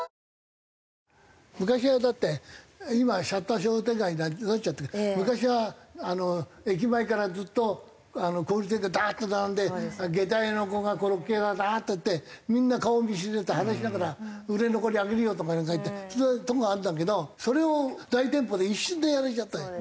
昔はだって今はシャッター商店街になっちゃってるけど昔は駅前からずっと小売店がダーッと並んで下駄屋の横がコロッケ屋がダーッとあってみんな顔見知りで話しながら「売れ残りあげるよ」とかなんか言ってそういうとこがあるんだけどそれを大店舗で一瞬でやられちゃったじゃない。